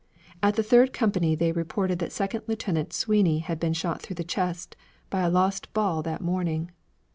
At the third company they reported that Second Lieutenant Sweeny had been shot through the chest by a lost ball that morning.